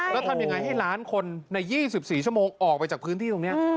แล้วทำยังไงให้ล้านคนใน๒๔ชั่วโมงออกไปจากพื้นที่ตรงนี้